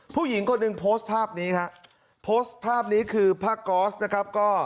ผู้หญิงคนหนึ่งโพสภาพนี้ค่ะ